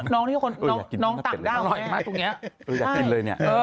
น้องที่เป็นต่างด้านของแม่